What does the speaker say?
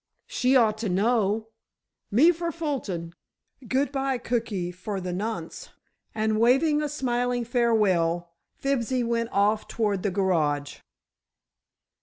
"She ought to know! Me for Fulton. Good bye, Cookie, for the nonce," and waving a smiling farewell, Fibsy went off toward the garage.